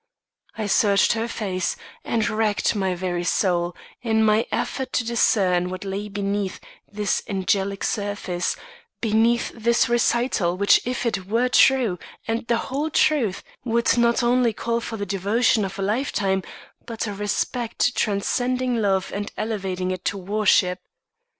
I searched her face, and racked my very soul, in my effort to discern what lay beneath this angelic surface beneath this recital which if it were true and the whole truth, would call not only for the devotion of a lifetime, but a respect transcending love and elevating it to worship.